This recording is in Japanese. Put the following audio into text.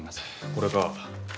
これか。